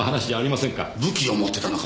武器を持ってたのかも。